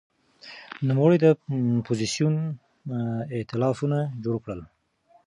نوموړي د اپوزېسیون ائتلافونه جوړ کړل.